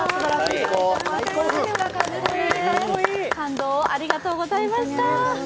感動をありがとうございました。